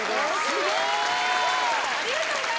すごい！